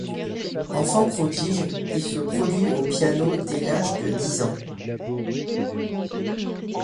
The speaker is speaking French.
Enfant prodige, il se produit au piano dès l'âge de dix ans.